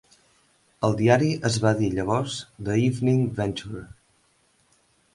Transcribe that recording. El diari es va dir llavors "The Evening Venture".